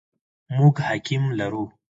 موږ حکیم لرو ؟